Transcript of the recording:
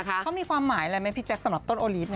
เขามีความหมายอะไรไหมพี่แจ๊คสำหรับต้นโอลีฟ